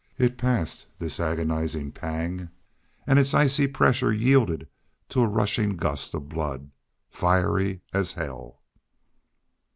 It passed, this agonizing pang, and its icy pressure yielded to a rushing gust of blood, fiery as hell.